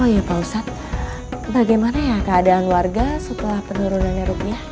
oh ya pak ustadz bagaimana ya keadaan warga setelah penurunannya rupiah